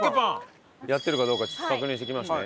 やってるかどうかちょっと確認してきますね。